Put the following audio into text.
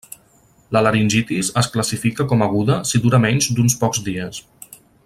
La laringitis es classifica com aguda si dura menys d'uns pocs dies.